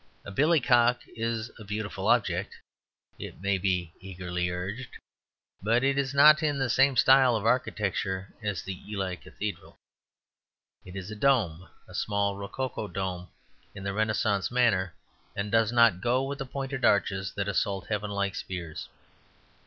A billycock is a beautiful object (it may be eagerly urged), but it is not in the same style of architecture as Ely Cathedral; it is a dome, a small rococo dome in the Renaissance manner, and does not go with the pointed arches that assault heaven like spears.